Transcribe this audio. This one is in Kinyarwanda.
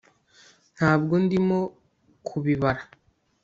ntabwo ndimo kubibara